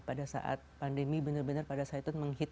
pada saat pandemi benar benar pada saat itu menghitung